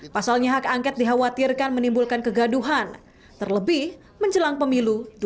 pasalnya hak angket dikhawatirkan menimbulkan kegaduhan terlebih menjelang pemilu dua ribu sembilan belas